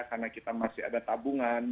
karena kita masih ada tabungan